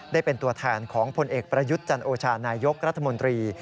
ได้เป็นตัวแทนของผลเอกประยุทธ์จันโอชานายกรัฐมนตรี